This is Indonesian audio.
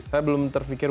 saya belum terpikir